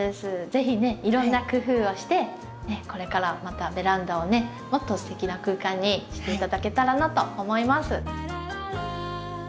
是非ねいろんな工夫をしてこれからまたベランダをねもっとすてきな空間にして頂けたらなと思います。